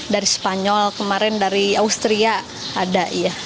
dari spanyol kemarin dari austria ada